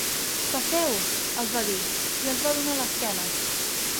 Passeu —els va dir, i els va donar l'esquena.